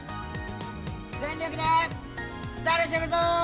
全力で楽しむぞ！